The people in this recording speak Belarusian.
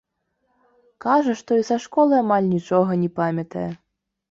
Кажа, што і са школы амаль нічога не памятае.